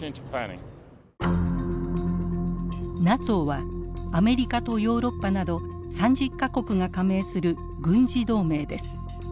ＮＡＴＯはアメリカとヨーロッパなど３０か国が加盟する軍事同盟です。